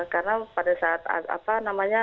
karena pada saat apa namanya